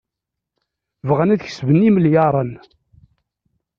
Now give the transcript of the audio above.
Bɣan ad kesben imelyaṛen.